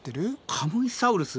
カムイサウルス？